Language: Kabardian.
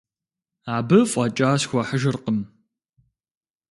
Абы фӏэкӏа схуэхьыжыркъым.